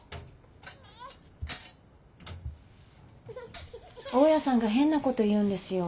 大家さんが変なこと言うんですよ。